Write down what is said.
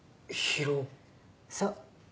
そう。